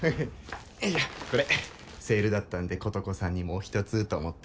これセールだったんで琴子さんにもお一つと思って。